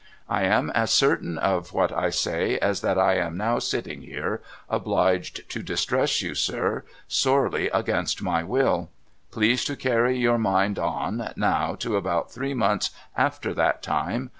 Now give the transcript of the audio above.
I am as certain of what I say as that I am now sitting here, obliged to distress you, sir, sorely against my will. Please to carry your mind on, now, to about three months after that time.